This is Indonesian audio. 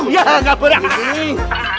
ya gak berang